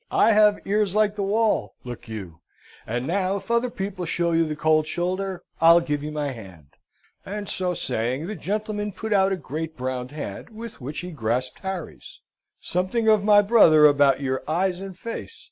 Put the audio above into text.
I have ears like the wall, look you. And, now, if other people show you the cold shoulder, I'll give you my hand;" and so saying, the gentleman put out a great brown hand, with which he grasped Harry's. "Something of my brother about your eyes and face.